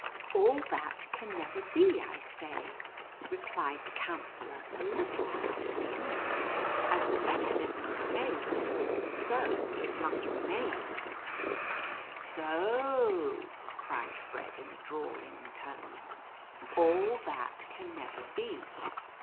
" All that can never be, I say," replied the Counsellor, a little out of humor. " As the mechanism is made, so it must remain." 16 NUTCEACKER AND MOUSE KING. " So o," cried Fred, in a drawling tone, " all that can never be